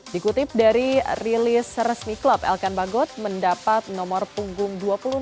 dikutip dari rilis resmi klub elkan bagot mendapat nomor punggung dua puluh empat